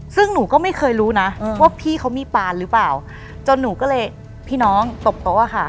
ซึ่งหนูก็ไม่เคยรู้นะว่าพี่เขามีปานหรือเปล่าจนหนูก็เลยพี่น้องตบโต๊ะค่ะ